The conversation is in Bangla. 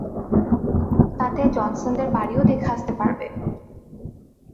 তাতে জনসনদের বাড়িও দেখে আসতে পারবে।